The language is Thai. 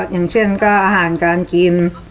อย่างเช่นก็อาหารการกิน